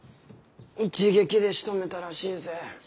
一撃でしとめたらしいぜ。